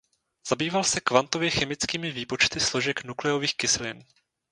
Zabýval se kvantově chemickými výpočty složek nukleových kyselin.